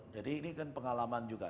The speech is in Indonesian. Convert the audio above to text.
jadi ini kan pengalaman juga